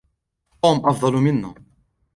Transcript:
توم أفضل منا.